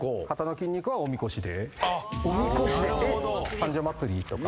三社祭とか。